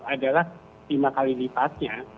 adalah lima kali lipatnya